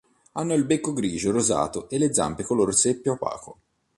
Hanno il becco grigio rosato e le zampe color seppia opaco.